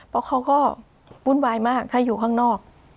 เพราะเขาก็วุ่นวายมากถ้าอยู่ข้างนอก